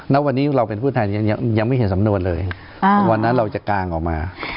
ณวันนี้เราเป็นผู้แทนยังไม่เห็นสำนวนเลยวันนั้นเราจะกางออกมา